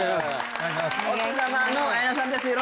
奥様の綾菜さんです